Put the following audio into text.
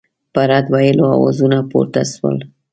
بد رد ویلو آوازونه پورته سول.